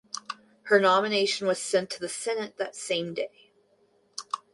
Her nomination was sent to the Senate that same day.